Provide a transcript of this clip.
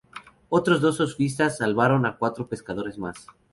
Otros dos surfistas salvaron a cuatro pescadores más.